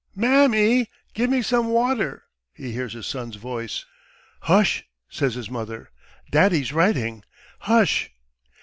... "Mammy, give me some water!" he hears his son's voice. "Hush!" says his mother. "Daddy's writing! Hush!"